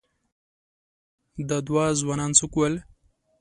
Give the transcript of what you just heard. _پوښتنه، دا دوه ځوانان څوک ول؟